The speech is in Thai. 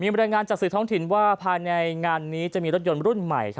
บรรยายงานจากสื่อท้องถิ่นว่าภายในงานนี้จะมีรถยนต์รุ่นใหม่